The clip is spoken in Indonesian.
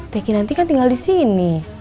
teh kinanti kan tinggal disini